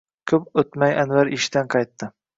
Ko’p o’tmay Anvar ishdan qaytadi.